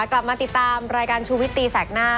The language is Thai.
กลับมาติดตามรายการชูวิตตีแสกหน้า